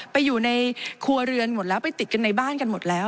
ไปอยู่ในครัวเรือนหมดแล้วไปติดกันในบ้านกันหมดแล้ว